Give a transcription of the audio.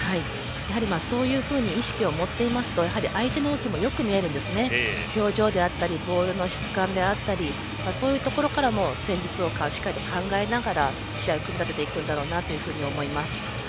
そういうふうに意識を持っていますと相手の動きもよく見えるんです表情であったりボールの質感であったり戦術をしっかり考えながら試合を組み立てていくんだろうなと思います。